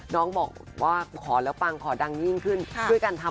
น้องบอกว่าขอแล้วปังขอดังยิ่งขึ้น